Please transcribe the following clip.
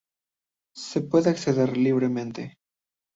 Se puede acceder libremente.